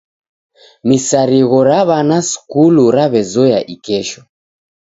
Misarigho ra w'ana sukulu raw'ezoya ikesho.